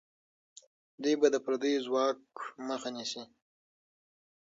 دوی به د پردیو ځواک مخه نیسي.